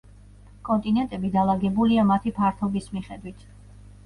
კონტინენტები დალაგებულია მათი ფართობის მიხედვით.